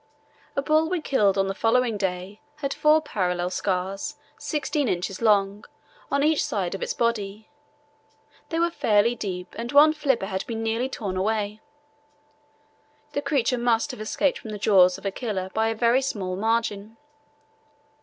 A bull we killed on the following day had four parallel scars, sixteen inches long, on each side of its body; they were fairly deep and one flipper had been nearly torn away. The creature must have escaped from the jaws of a killer by a very small margin.